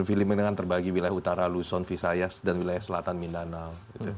filipina kan terbagi wilayah utara luzon visayas dan wilayah selatan mindanao